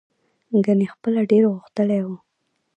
ګنې خپله ډېر غښتلی و.